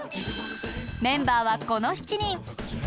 メンバーはこの７人。